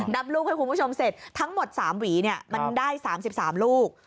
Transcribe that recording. ลูกให้คุณผู้ชมเสร็จทั้งหมด๓หวีเนี่ยมันได้๓๓ลูก